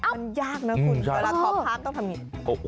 มันยากนะคุณเวลาทอภาพต้องทำอย่างนี้